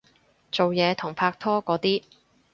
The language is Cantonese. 做嘢同拍拖嗰啲